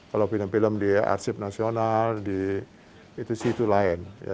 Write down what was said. kalau film film di arsip nasional di situ situ lain